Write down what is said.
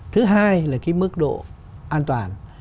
thứ hai là cái mức độ an toàn